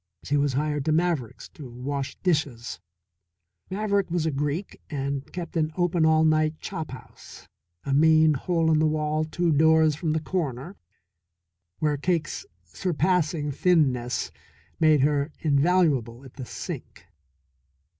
She was hired to Maverick's to wash dishes. Maverick was a Greek and kept an open all night chop house, a mean hole in the wall two doors from the corner, where Cake's surpassing thinness made her invaluable at the sink.